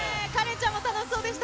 ちゃんも楽しそうでした。